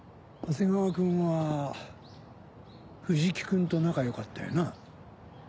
長谷川君は藤木君と仲良かったよな？